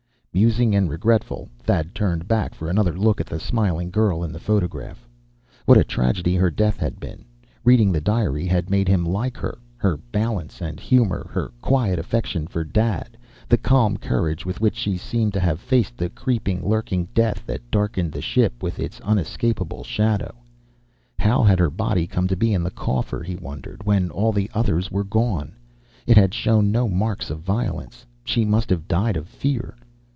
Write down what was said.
Musing and regretful, Thad turned back for another look at the smiling girl in the photograph. What a tragedy her death had been! Reading the diary had made him like her. Her balance and humor. Her quiet affection for "Dad." The calm courage with which she seemed to have faced the creeping, lurking death that darkened the ship with its unescapable shadow. How had her body come to be in the coffer, he wondered, when all the others were gone? It had shown no marks of violence. She must have died of fear.